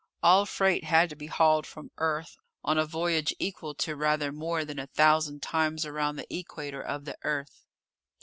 All freight had to be hauled from Earth, on a voyage equal to rather more than a thousand times around the equator of the Earth.